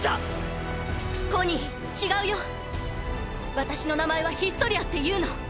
私の名前はヒストリアって言うの。